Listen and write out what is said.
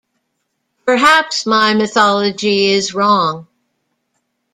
Perhaps my mythology is wrong.